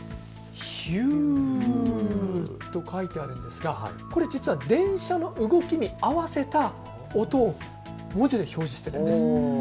ヒューンと書いてありますがこれ、実は電車の動きに合わせた音を文字で表示しているんです。